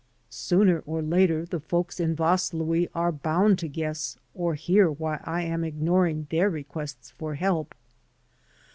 Sooner or later the folks in Vaslui are bound to guess or hear why I am ignoring their requests for help.